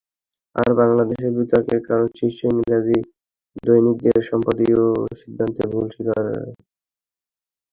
আর, বাংলাদেশের বিতর্কের কারণ শীর্ষ ইংরেজি দৈনিকের সম্পাদকীয় সিদ্ধান্তে ভুল স্বীকার।